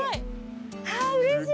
はあうれしい。